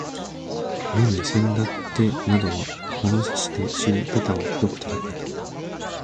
現にせんだってなどは物差しで尻ぺたをひどく叩かれた